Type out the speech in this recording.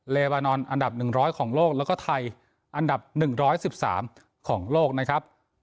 เลบานอนอันดับหนึ่งร้อยของโลกแล้วก็ไทยอันดับหนึ่งร้อยสิบสามของโลกนะครับ